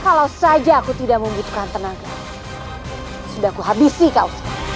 kalau saja aku tidak membutuhkan tenaga sudah kuhabisi kau